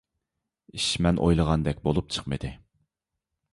ئىش مەن ئويلىغاندەك بولۇپ چىقمىدى.